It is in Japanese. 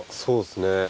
そうっすね。